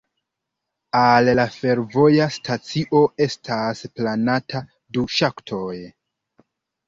Al la fervoja stacio estas planata du ŝaktoj.